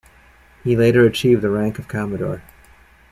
He later achieved the rank of commodore.